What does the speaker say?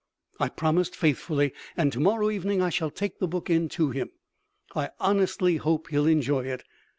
I promised faithfully, and tomorrow evening I shall take the book in to him. I honestly hope he'll enjoy it.